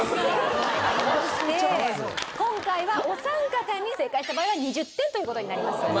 今回はお三方に正解した場合は２０点という事になります。